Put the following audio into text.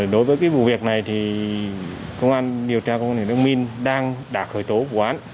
đối với cái vụ việc này thì công an điều tra công an huyện đức minh đang đã khởi tố vụ án